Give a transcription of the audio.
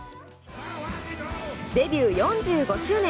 デビュー４５周年。